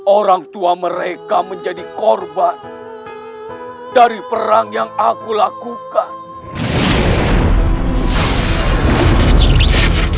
orang tua mereka menjadi korban dari perang yang aku lakukan